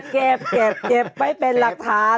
เก็บไว้เป็นหลักฐาน